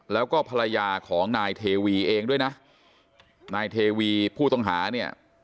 แล้วก็ภรรยาของนายเทวีเองด้วยนะนายเทวีผู้ต้องหาเนี่ย